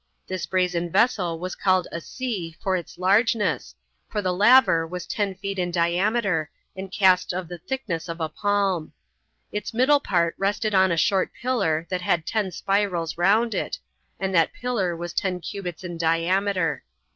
This brazen vessel was called a sea for its largeness, for the laver was ten feet in diameter, and cast of the thickness of a palm. Its middle part rested on a short pillar that had ten spirals round it, and that pillar was ten cubits in diameter.